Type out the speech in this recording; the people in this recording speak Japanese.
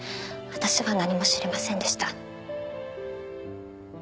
私は何も知りませんでした。